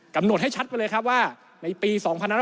กำหนดให้ชัดไปเลยครับว่าในปี๒๕๖๐